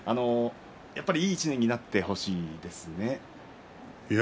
いい１年になってほしいですね。